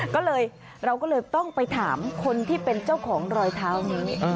ก็เลยเราก็เลยต้องไปถามคนที่เป็นเจ้าของรอยเท้านี้